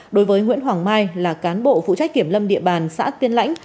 đối với nguyễn hoàng mai là cán bộ phụ trách kiểm lâm địa bàn xã tiên lãnh